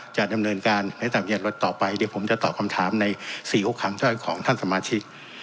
จะดำเนินการให้ทำเนียนรถต่อไปเดี๋ยวผมจะตอบคำถามใน๔๖ครั้งถ้อยของท่านสมาชิก